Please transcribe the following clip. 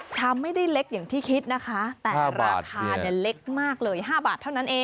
ชามไม่ได้เล็กอย่างที่คิดนะคะแต่ราคาเล็กมากเลย๕บาทเท่านั้นเอง